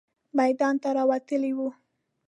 میدان ته راوتلې وه.